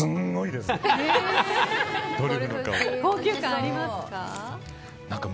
高級感ありますか。